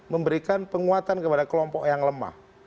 memberikan penguatan kepada kelompok yang lemah